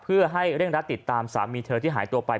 เพื่อให้เร่งรัดติดตามสามีเธอที่หายตัวไป